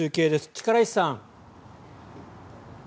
力石さん。